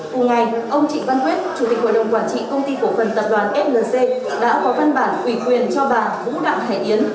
cùng ngày ông trịnh văn quyết chủ tịch hội đồng quản trị công ty cổ phần tập đoàn flc đã có văn bản ủy quyền cho bà vũ đặng hải yến